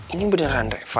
ini beneran reva